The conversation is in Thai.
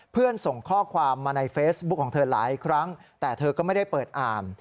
ส่งข้อความมาในเฟซบุ๊คของเธอหลายครั้งแต่เธอก็ไม่ได้เปิดอ่าน